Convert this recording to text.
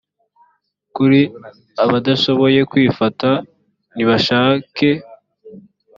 kr abadashoboye kwifata nibashake